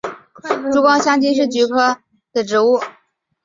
珠光香青是菊科香青属的植物。